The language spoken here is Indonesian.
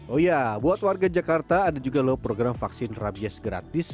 oh ya buat warga jakarta ada juga loh program vaksin rabies gratis